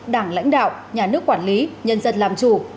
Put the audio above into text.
đảng lãnh đạo nhà nước quản lý nhân dân làm chủ